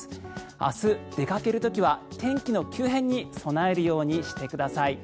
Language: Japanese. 明日、出かける時は天気の急変に備えるようにしてください。